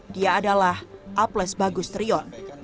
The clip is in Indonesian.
dia adalah aples bagustrion